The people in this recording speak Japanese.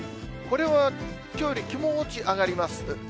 これはきょうより気持ち上がります。